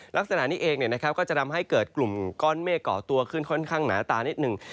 ลักษณะนี้เองก็จะทำให้เกิดกลุ่มก้อนเมฆก่อตัวขึ้นค่อนข้างหนาตานิดหนึ่ง